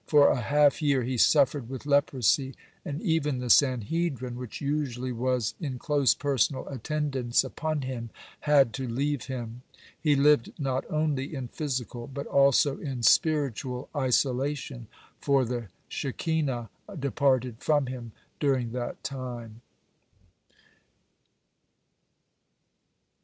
For a half year he suffered with leprosy, and even the Sanhedrin, which usually was in close personal attendance upon him, had to leave him. He lived not only in physical, but also in spiritual isolation, for the Shekinah departed from him during that time.